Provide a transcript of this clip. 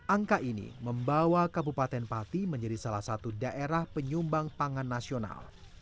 angka ini membawa kabupaten pati menjadi salah satu daerah penyumbang pangan nasional